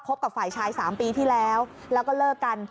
กับฝ่ายชาย๓ปีที่แล้วแล้วก็เลิกกัน